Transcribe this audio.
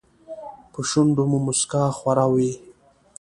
په شونډو مو موسکا خوره وي .